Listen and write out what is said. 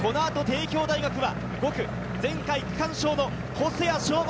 帝京大学は５区、前回区間賞の細谷翔